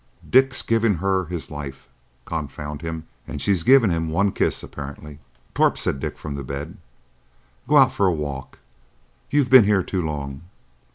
Dick's given her his life,—confound him!—and she's given him one kiss apparently." "Torp," said Dick, from the bed, "go out for a walk. You've been here too long.